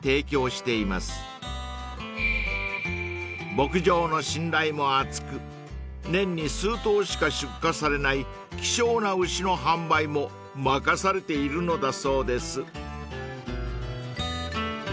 ［牧場の信頼も厚く年に数頭しか出荷されない希少な牛の販売も任されているのだそうです］